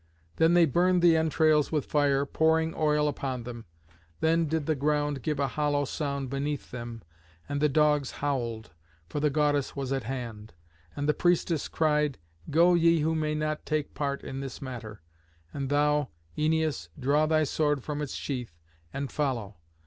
Then they burned the entrails with fire, pouring oil upon them. Then did the ground give a hollow sound beneath them, and the dogs howled, for the goddess was at hand. And the priestess cried, "Go ye who may not take part in this matter. And thou, Æneas, draw thy sword from its sheath and follow.